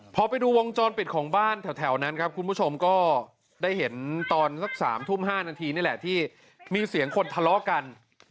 พอไปดูวงจรปิดของบ้านแถวนั้นครับคุณผู้ชมก็ได้เห็นตอนสัก๓ทุ่ม๕นาทีนี่แหละที่มีเสียงคนทะเลาะกัน